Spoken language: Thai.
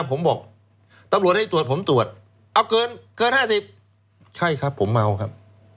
ผมบอกตำรวจให้ตรวจผมตรวจเอาเกิน๕๐ใช่ครับผมเมาครับ